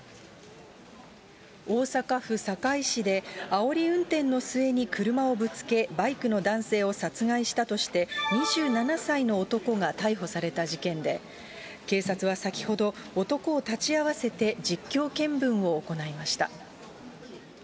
大阪府堺市で、あおり運転の末に車をぶつけ、バイクの男性を殺害したとして、２７歳の男が逮捕された事件で、警察は先ほど、男を立ち会わせて実況見分を行いました。